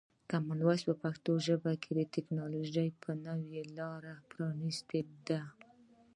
کامن وایس د پښتو لپاره د ټکنالوژۍ په نړۍ کې نوې لاره پرانیستې ده.